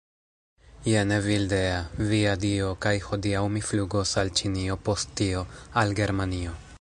Jen Evildea. Via Dio. kaj hodiaŭ mi flugos al ĉinio post tio, al Germanio